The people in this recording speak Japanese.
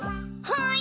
はい！